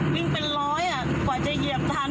วิ่งเป็นร้อยกว่าจะเหยียบทัน